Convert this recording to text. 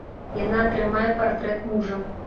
Яна трымае партрэт мужа.